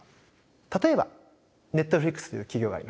例えばネットフリックスという企業があります。